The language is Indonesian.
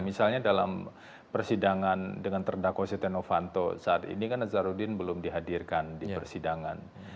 misalnya dalam persidangan dengan terdakwa setia novanto saat ini kan nazarudin belum dihadirkan di persidangan